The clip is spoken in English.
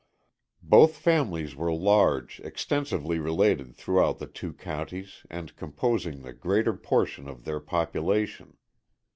Both families were large, extensively related throughout the two counties and composing the greater portion of their population.